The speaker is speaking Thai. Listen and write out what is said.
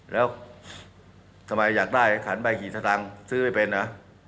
แล้วทำไมอยากได้ขันไปกี่สักครั้งซื้อไม่เป็นอ่ะ